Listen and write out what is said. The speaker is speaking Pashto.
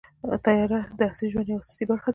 طیاره د عصري ژوند یوه اساسي برخه ده.